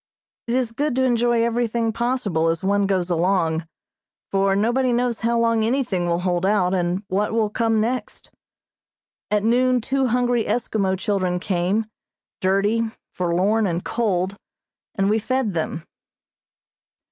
It is good to enjoy everything possible as one goes along, for nobody knows how long anything will hold out and what will come next. At noon two hungry Eskimo children came, dirty, forlorn and cold, and we fed them.